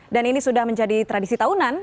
dan ini sudah menjadi tradisi tahunan